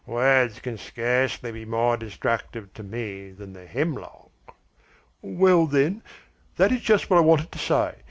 Words can scarcely be more destructive to me than the hemlock." "Well, then, that is just what I wanted to say.